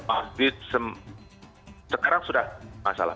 masjid sekarang sudah masalah